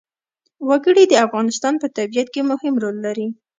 وګړي د افغانستان په طبیعت کې مهم رول لري.